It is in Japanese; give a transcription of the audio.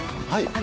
はい！